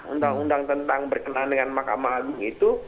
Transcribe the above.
untuk undang tentang berkenaan dengan makam agung itu